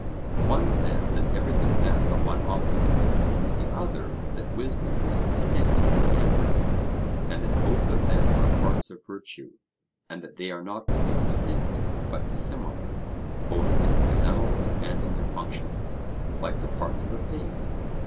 One says that everything has but one opposite; the other that wisdom is distinct from temperance, and that both of them are parts of virtue; and that they are not only distinct, but dissimilar, both in themselves and in their functions, like the parts of a face.